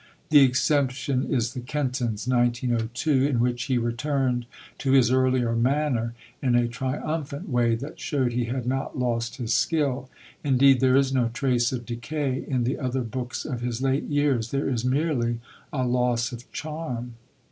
The exception is The Kentons (1902), in which he returned to his earlier manner, in a triumphant way that showed he had not lost his skill. Indeed, there is no trace of decay in the other books of his late years; there is merely a loss of charm.